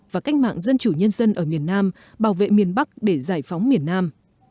và cách mạng dân chủ nhân dân ở miền nam bảo vệ miền bắc để giải phóng miền nam